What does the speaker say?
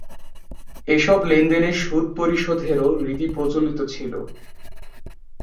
এসব লেনদেনে সুদ পরিশোধেরও রীতি প্রচলিত ছিল।